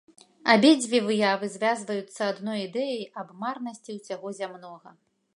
Абедзве выявы звязваюцца адной ідэяй аб марнасці ўсяго зямнога.